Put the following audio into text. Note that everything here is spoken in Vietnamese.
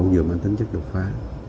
vừa tính chất lục phá